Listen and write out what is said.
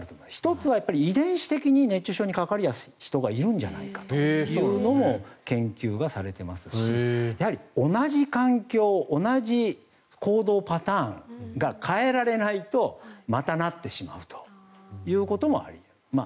１つは遺伝子的に熱中症にかかりやすい人がいるんじゃないかというのも研究がされていますしやはり同じ環境、同じ行動パターンが変えられないとまたなってしまうということもあり得る。